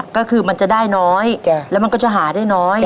ก็คือมันจะได้น้อยแล้วมันก็จะหาได้น้อย